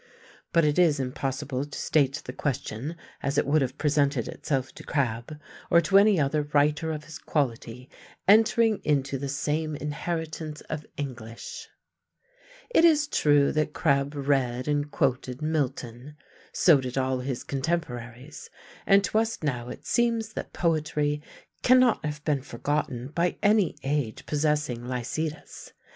But it is impossible to state the question as it would have presented itself to Crabbe or to any other writer of his quality entering into the same inheritance of English. It is true that Crabbe read and quoted Milton; so did all his contemporaries; and to us now it seems that poetry cannot have been forgotten by any age possessing Lycidas.